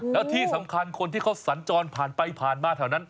แล้วที่สำคัญคนที่เขาสัญจรผ่านไปผ่านมาแถวนั้น